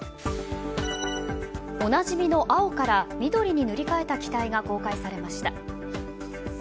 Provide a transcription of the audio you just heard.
おなじみの青から緑に塗り替えた機体が公開されました。